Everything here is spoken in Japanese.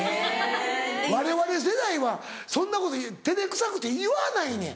われわれ世代はそんなこと照れくさくて言わないねん。